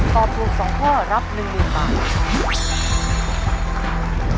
ตอบถูก๒ข้อรับ๑๐๐๐บาท